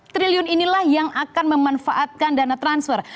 satu ratus sembilan belas triliun inilah yang akan memanfaatkan dana transfer